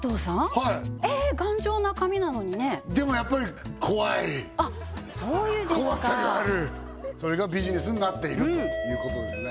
はいえっ頑丈な髪なのにねでもやっぱり怖い怖さがあるそれがビジネスになっているということですね